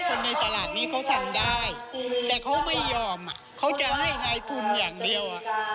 คนในตลาดนี้เขาทำได้แต่เขาไม่ยอมเขาจะให้นายทุนอย่างเดียว